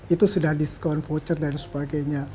itu sudah diskon voucher dan sebagainya